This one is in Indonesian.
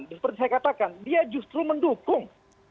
seperti saya katakan dia justru mendukung